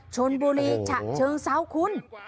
ชนบุรีชะชึงเซ้าคุณ